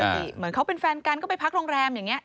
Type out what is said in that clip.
เหมือนเขาเป็นแฟนกันก็ไปพักโรงแรมอย่างนี้